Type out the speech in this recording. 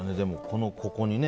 ここに。